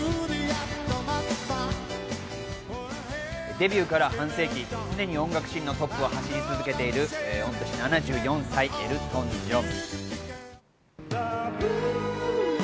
デビューから半世紀、常に音楽シーンのトップを走り続けている７４歳、エルトン・ジョン。